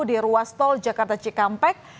di ruas tol jakarta cikampek